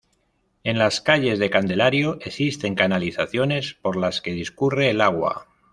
En las calles de Candelario existen canalizaciones por las que discurre el agua.